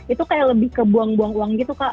itu kayak lebih ke buang buang uang gitu kak